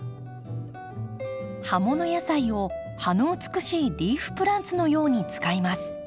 葉もの野菜を葉の美しいリーフプランツのように使います。